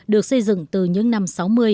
được xây dựng từ những năm sáu mươi bảy mươi